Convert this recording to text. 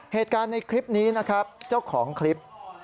เหตุการณ์ในคลิปนี้นะครับเจ้าของคลิป